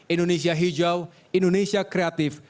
indonesia hijau indonesia kreatif